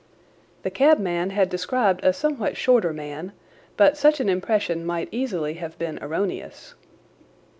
The cabman had described a somewhat shorter man, but such an impression might easily have been erroneous.